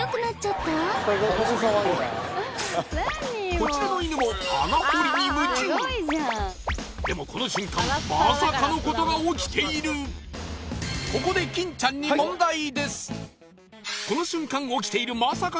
こちらの犬も穴掘りに夢中でもこの瞬間まさかのことが起きているここで一体何？